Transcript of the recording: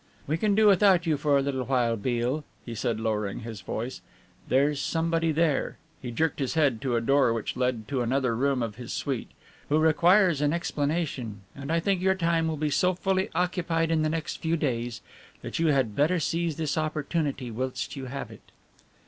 "We can do without you for a little while, Beale," he said, lowering his voice. "There's somebody there," he jerked his head to a door which led to another room of his suite, "who requires an explanation, and I think your time will be so fully occupied in the next few days that you had better seize this opportunity whilst you have it."